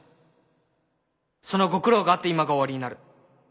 そのご苦労があって今がおありになる。